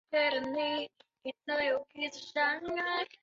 布雷斯特的海港优势首先由黎塞留枢机认识到。